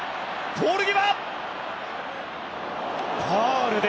ポール際！